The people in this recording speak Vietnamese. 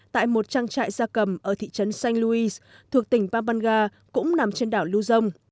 tại một trang trại da cầm ở thị trấn san luis thuộc tỉnh pampanga cũng nằm trên đảo luzon